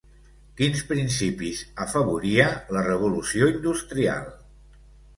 Quins principis afavoria la Revolució Industrial?